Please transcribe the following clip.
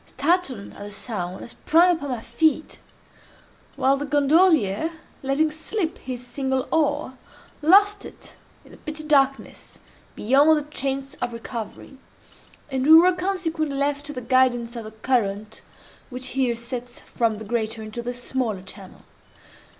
Startled at the sound, I sprang upon my feet: while the gondolier, letting slip his single oar, lost it in the pitchy darkness beyond a chance of recovery, and we were consequently left to the guidance of the current which here sets from the greater into the smaller channel.